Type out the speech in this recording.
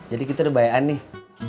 jadi kita udah bayan nih